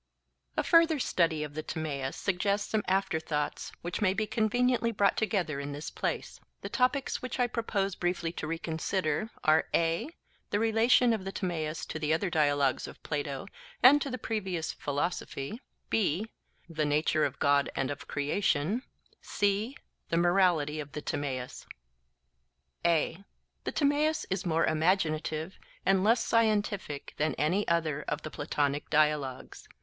A further study of the Timaeus suggests some after thoughts which may be conveniently brought together in this place. The topics which I propose briefly to reconsider are (a) the relation of the Timaeus to the other dialogues of Plato and to the previous philosophy; (b) the nature of God and of creation (c) the morality of the Timaeus:— (a) The Timaeus is more imaginative and less scientific than any other of the Platonic dialogues.